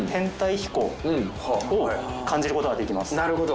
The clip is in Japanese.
なるほど。